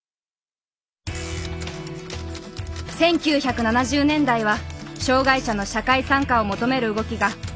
１９７０年代は障害者の社会参加を求める動きが全国に広がった時期。